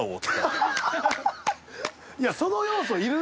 いやその要素いる？